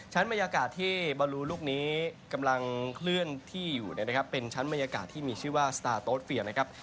บรรยากาศที่บาลูลูกนี้กำลังเคลื่อนที่อยู่เนี่ยนะครับเป็นชั้นบรรยากาศที่มีชื่อว่าสตาร์โต๊ดเฟียนะครับ